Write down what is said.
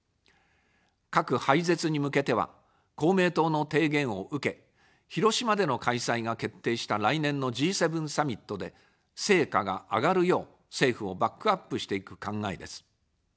核廃絶に向けては、公明党の提言を受け、広島での開催が決定した来年のＧ７サミットで成果が上がるよう政府をバックアップしていく考えです。